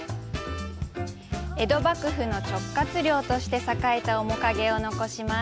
江戸幕府の直轄領として栄えた面影を残します。